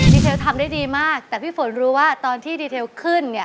เทลทำได้ดีมากแต่พี่ฝนรู้ว่าตอนที่ดีเทลขึ้นเนี่ย